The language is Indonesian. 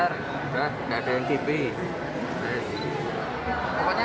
pertanyaan dari panitia